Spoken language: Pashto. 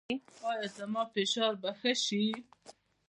ایا زما فشار به ښه شي؟